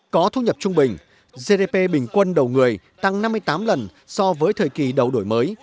có thu nhập trung bình gdp bình quân đầu người tăng năm mươi tám lần so với thời kỳ đầu đổi mới